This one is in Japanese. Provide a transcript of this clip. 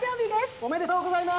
おめでとうございます！